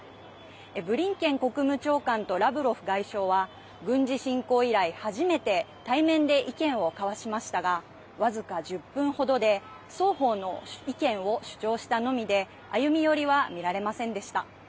ブリンケン国務長官とラブロフ外相は軍事侵攻以来、初めて対面で意見を交わしましたが僅か１０分程で双方の意見を主張したのみで歩み寄りは見られませんでした。